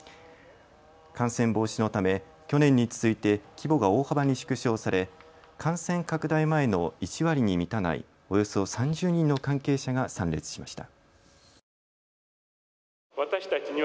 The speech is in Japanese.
感染防止のため去年に続いて規模が大幅に縮小され感染拡大前の１割に満たないおよそ３０人の関係者が参列しました。